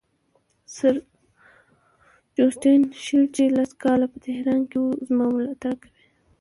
سر جوسټین شیل چې لس کاله په تهران کې وو زما ملاتړ کوي.